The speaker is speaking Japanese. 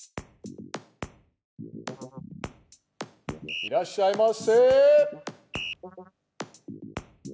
いらっしゃいませ！